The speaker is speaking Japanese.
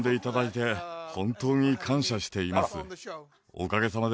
おかげさまで。